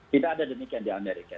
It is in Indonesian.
tidak ada demikian di amerika